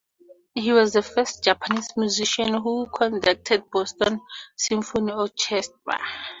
He was the first Japanese musician who conducted Boston Symphony Orchestra.